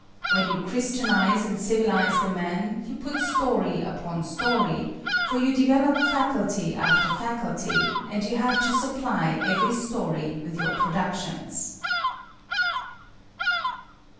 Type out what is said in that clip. When you christianize and civilize the man, you put story upon story, for you develop faculty after faculty; and you have to supply every story with your productions.